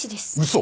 嘘！？